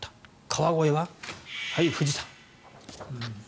川越は富士山。